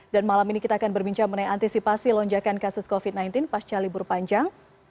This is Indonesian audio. dan malam ini kita akan berbincang mengenai antisipasi lonjakan kasus covid sembilan belas pasca libur panjang